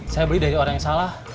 saya beli dari orang yang salah